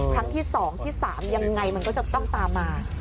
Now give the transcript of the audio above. ครั้งที่๒ที่๓ยังไงมันก็จะต้องตามมา